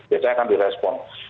biasanya akan direspon